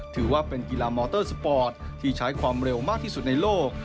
ถือว่าเป็นกีฬามอเตอร์สปอร์ตที่ใช้ความเร็วมากที่สุดในโลก